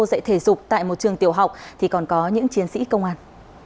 dạy thể dục tại một trường tiểu học thì còn có những chiến sĩ công an